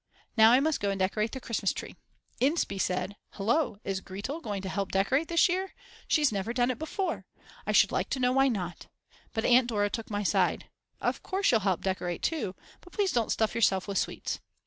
Now I must go and decorate the Christmas tree. Inspee said: Hullo, is Gretl going to help decorate this year? She's never done it before! I should like to know why not. But Aunt Dora took my side. "Of course she'll help decorate too; but please don't stuff yourselves with sweets."